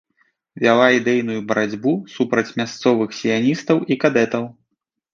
Вяла ідэйную барацьбу супраць мясцовых сіяністаў і кадэтаў.